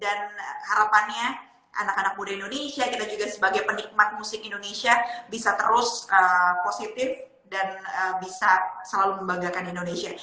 harapannya anak anak muda indonesia kita juga sebagai penikmat musik indonesia bisa terus positif dan bisa selalu membanggakan indonesia